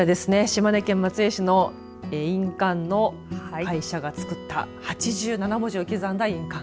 島根県松江市の印鑑の会社が作った８７文字を刻んだ印鑑。